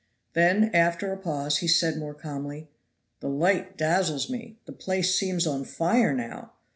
Then, after a pause, he said more calmly: "The light dazzles me! the place seems on fire now!